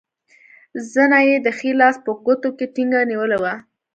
زنه یې د ښي لاس په ګوتو کې ټینګه نیولې وه.